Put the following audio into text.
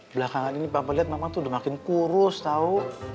belakangan ini papa lihat mama tuh udah makin kurus tau